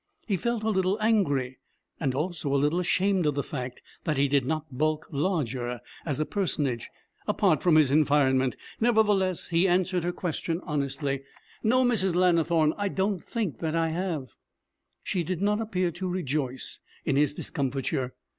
He felt a little angry, and also a little ashamed of the fact that he did not bulk larger as a personage, apart from his environment. Nevertheless, he answered her question honestly. 'No, Mrs. Lannithorne, I don't think that I have.' She did not appear to rejoice in his discomfiture.